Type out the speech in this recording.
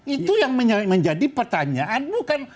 itu yang menjadi pertanyaan